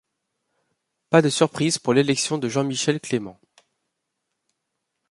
Pas de surprise pour l'élection de Jean-Michel Clément.